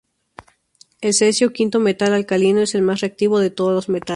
El cesio, quinto metal alcalino, es el más reactivo de todos los metales.